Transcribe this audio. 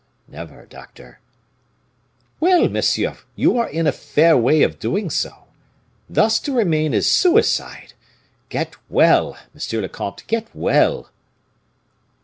"Never, doctor." "Well! monsieur, you are in a fair way of doing so. Thus to remain is suicide. Get well! monsieur le comte, get well!"